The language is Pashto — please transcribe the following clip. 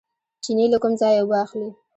چینې له کوم ځای اوبه اخلي؟